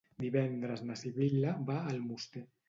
Divendres na Sibil·la va a Almoster.